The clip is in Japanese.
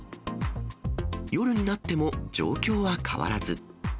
夜になっても状況は変わらず。